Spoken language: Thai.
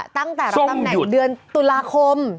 ตั้งแต่รับตำแหน่งเดือนตุลาคม